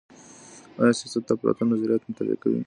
آیا سیاست د افلاطون نظریات مطالعه کوي؟